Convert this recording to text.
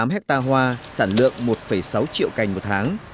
ba mươi tám hecta hoa sản lượng một sáu triệu cành một tháng